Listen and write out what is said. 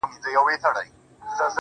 ستا د لېمو د نظر سيوري ته يې سر ټيټ کړی~